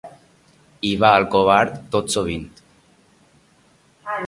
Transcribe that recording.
Hi va el covard tot sovint.